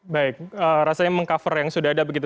baik rasanya meng cover yang sudah ada begitu